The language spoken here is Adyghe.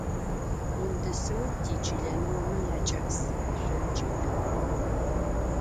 Къундысыур тичылэ ныомэ якӏас, уешъонкӏи дэгъу.